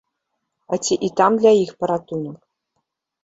А ці і там для іх паратунак?